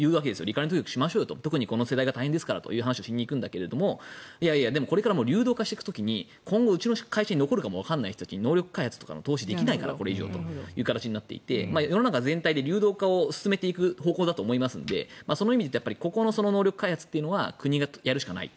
リカレント教育しましょう特にこの世代が大変ですと言いに行くんですけどいや、でもこれから流動化していく時に今後うちの会社に残るかもわからない人たちに能力開発の投資できないからこれ以上という形になっていて世の中全体で流動化を進めていく方向だと思いますのでその意味で能力開発っていうのは国がやるしかない。